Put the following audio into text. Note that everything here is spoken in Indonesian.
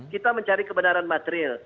kita mencari kebenaran material